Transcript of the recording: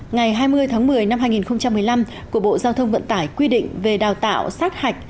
ngày hai mươi tháng một mươi năm hai nghìn một mươi năm của bộ giao thông vận tải quy định về đào tạo sát hạch